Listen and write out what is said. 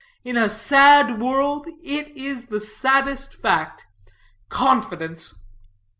In a sad world it is the saddest fact. Confidence!